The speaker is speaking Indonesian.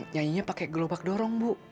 penyanyinya pakai gelobak dorong bu